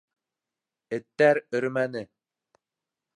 Эттәр өрмәне.